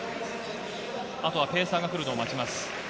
あとはペーサーが来るのを待ちます。